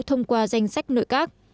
thông qua danh sách nội các